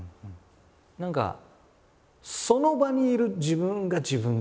何かその場にいる自分が自分ですみたいな。